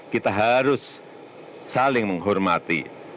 kita harus saling menghormati